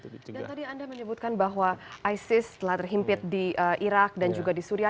dan tadi anda menyebutkan bahwa isis telah terhimpit di iraq dan juga di syria